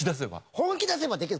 本気出せばできる。